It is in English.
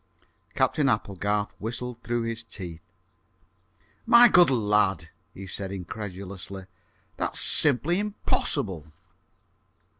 Captain Applegarth whistled through his teeth. "My good lad," he said incredulously, "that's simply impossible!"